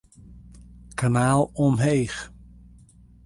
Kanaal omheech.